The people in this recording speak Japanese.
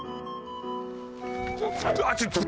あっちょっと。